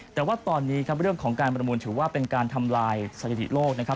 แต่ว่าตอนนี้ครับเรื่องของการประมูลถือว่าเป็นการทำลายสถิติโลกนะครับ